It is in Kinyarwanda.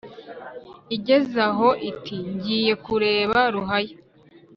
igeze aho iti «ngiye kureba ruhaya.»